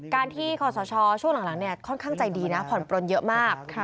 การที่ขอสชช่วงหลังค่อนข้างใจดีนะผ่อนปลนเยอะมาก